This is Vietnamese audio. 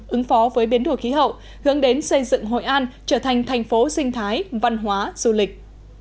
ứng phó với biến đổi khí hậu hướng đến xây dựng hội an trở thành thành phố sinh thái văn hóa du lịch